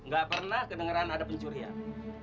gak pernah kedengeran ada pencurian